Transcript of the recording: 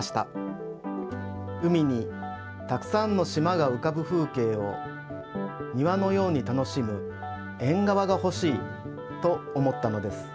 海にたくさんのしまがうかぶ風けいをにわのように楽しむえんがわがほしいと思ったのです。